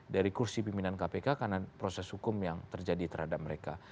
dari kursi pimpinan kpk karena proses hukum yang terjadi terhadap mereka